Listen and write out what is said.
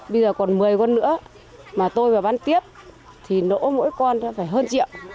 bây giờ còn một mươi con nữa mà tôi bán tiếp nỗ mỗi con phải hơn triệu